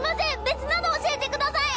別なの教えてください！